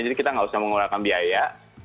jadi kita nggak usah menggunakan biaya